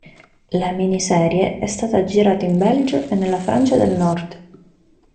La miniserie è stata girata in Belgio e nella Francia del Nord.